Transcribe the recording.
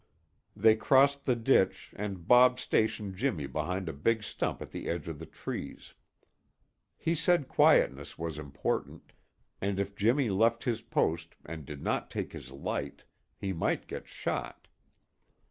They crossed the ditch and Bob stationed Jimmy behind a big stump at the edge of the trees. He said quietness was important, and if Jimmy left his post and did not take his light, he might get shot.